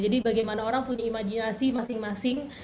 jadi bagaimana orang punya imajinasi masing masing